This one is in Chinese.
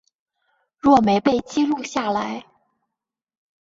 若没被记录下来